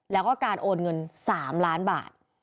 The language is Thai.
แล้วก็การโอนเงิน๓ล้านบาท